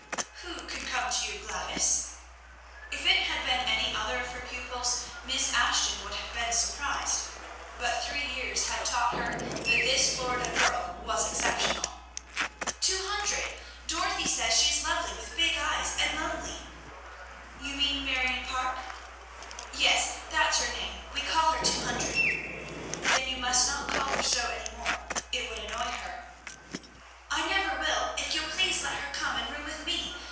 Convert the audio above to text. "Who can come to you, Gladys?" If it had been any other of her pupils, Miss Ashton would have been surprised; but three years had taught her that this Florida girl was exceptional. "Two Hundred! Dorothy says she is lovely, with big eyes, and lonely" "You mean Marion Parke?" "Yes, that's her name. We all call her Two Hundred." "Then you must not call her so any more. It would annoy her." "I never will if you'll please let her come and room with me.